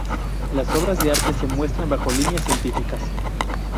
Las obras de arte se muestran bajo líneas científicas.